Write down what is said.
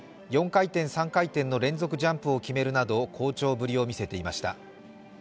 ４回転３回転の連続ジャンプを決めるなど好調ぶりを見せていました。